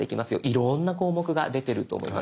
いろんな項目が出てると思います。